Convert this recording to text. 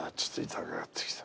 「痛くなってきた」。